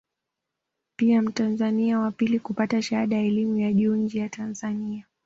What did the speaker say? Pia mtanzania wa pili kupata shahada ya elimu ya juu nje ya Tanzania